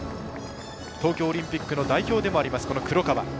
東京オリンピックの代表でもある黒川。